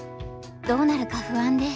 どうなるか不安で。